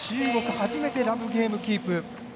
初めてラブゲームキープ。